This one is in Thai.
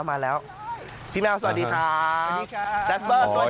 มาแล้วพี่แมวสวัสดีครับแจ๊สเบอร์สวัสดีครับ